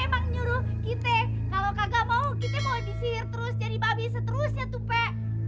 dia memang nyuruh kita kalau kagak mau kita mau disihir terus jadi babi seterusnya tuh pak